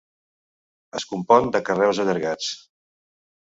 Es compon de carreus allargats.